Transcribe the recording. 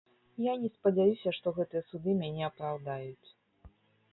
Я не спадзяюся, што гэтыя суды мяне апраўдаюць.